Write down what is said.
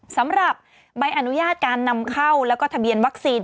สำหรับใบอนุญาตการนำเข้าแล้วก็ทะเบียนวัคซีน